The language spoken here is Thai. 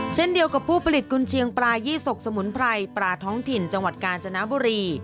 เช่นเดียวกับผู้ผลิตกุญเชียงปลายี่สกสมุนไพรปลาท้องถิ่นจังหวัดกาญจนบุรี